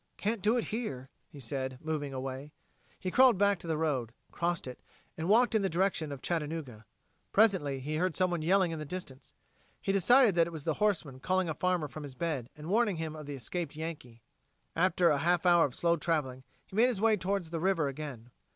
"Can't do it here," he said, moving away. He crawled back to the road, crossed it, and walked in the direction of Chattanooga. Presently he heard someone yelling in the distance. He decided that it was the horseman calling a farmer from his bed and warning him of the escaped Yankee. After a half hour of slow traveling, he made his way towards the river again.